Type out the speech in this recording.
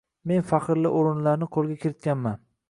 Men faxrli oʻrinlarni qoʻlga kiritganman.